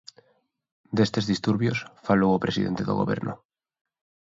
Destes disturbios, falou o presidente do Goberno.